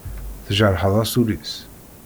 Tjerḥeḍ-as ul-is.